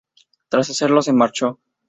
Tras hacerlo, se marchó.